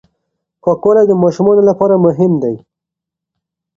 پاکوالی د ماشومانو لپاره مهم دی.